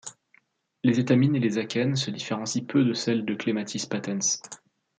Les étamines et les akènes se différencient peu de celles de Clematis patens.